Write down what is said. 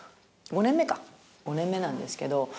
５年目か５年目なんですけど。